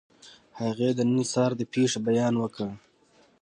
هغې د نن سهار د پېښې بیان وکړ